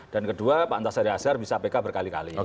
dan kedua pak antasar yassar bisa pk berkali kali